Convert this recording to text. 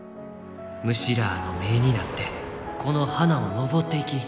虫らあの目になってこの花を登っていき。